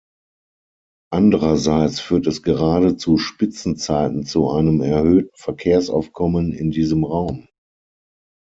Andererseits führt es gerade zu Spitzenzeiten zu einem erhöhten Verkehrsaufkommen in diesem Raum.